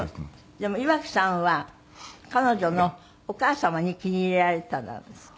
でも岩城さんは彼女のお母様に気に入られてたんですって？